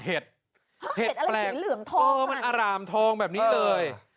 เห็ดก็มันอะรามทองแบบนี้เลย